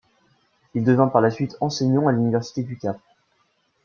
Il devint par la suite enseignant à l'université du Cap.